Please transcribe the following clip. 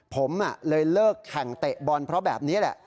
ผมเลยเลิกแข่งเตะบอลเพราะแบบนี้แหละ